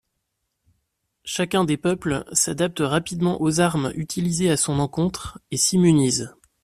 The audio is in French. Chacun des peuples s'adapte rapidement aux armes utilisées à son encontre et s'immunise.